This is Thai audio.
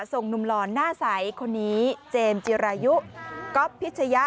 หนุ่มหล่อนหน้าใสคนนี้เจมส์จิรายุก๊อฟพิชยะ